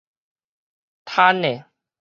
蟶的